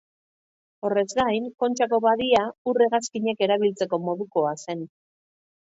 Horrez gain, Kontxako badia ur-hegazkinek erabiltzeko modukoa zen.